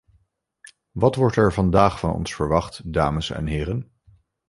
Wat wordt er vandaag van ons verwacht, dames en heren?